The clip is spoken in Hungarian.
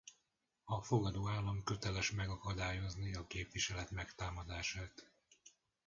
A fogadó állam köteles megakadályozni a képviselet megtámadását.